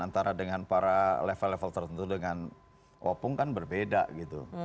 antara dengan para level level tertentu dengan opung kan berbeda gitu